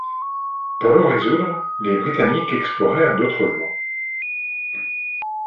Pour le résoudre, les Britanniques explorèrent d'autres voies.